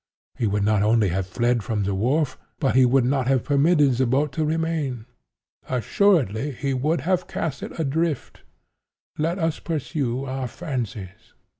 He would not only have fled from the wharf, but he would not have permitted the boat to remain. Assuredly he would have cast it adrift. Let us pursue our fancies.